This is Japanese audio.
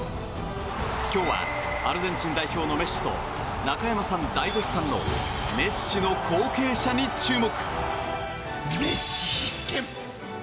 今日はアルゼンチン代表のメッシと中山さん大絶賛のメッシの後継者に注目。